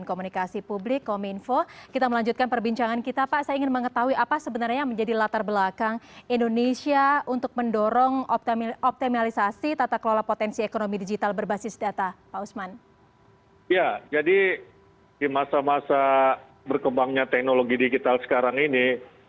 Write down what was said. kami akan kembali sesaat lagi